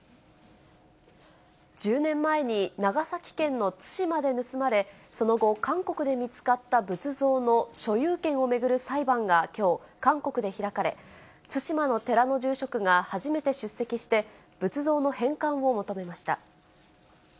１０年前に、長崎県の対馬で盗まれ、その後、韓国で見つかった仏像の所有権を巡る裁判がきょう、韓国で開かれ、対馬の寺の住職が初めて出席して、仏像の返還を求めました。